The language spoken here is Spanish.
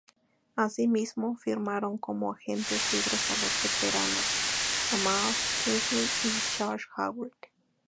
Así mismo, firmaron como agentes libres a los veteranos Jamaal Tinsley y Josh Howard.